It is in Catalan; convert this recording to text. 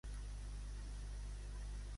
En quin tipus de dea es va convertir popularment?